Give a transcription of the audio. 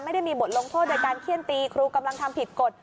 ไม่ได้มีบทลงโทษโดยการเขี้ยนตีครูกำลังทำผิดกฎ